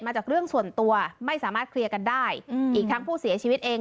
มาจากเรื่องส่วนตัวไม่สามารถเคลียร์กันได้อีกทั้งผู้เสียชีวิตเอง